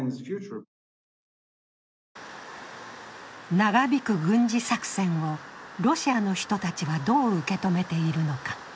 長引く軍事作戦をロシアの人たちはどう受け止めているのか。